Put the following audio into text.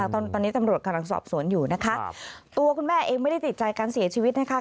ตอนนี้ตำรวจกำลังสอบสวนอยู่นะคะตัวคุณแม่เองไม่ได้ติดใจการเสียชีวิตนะคะ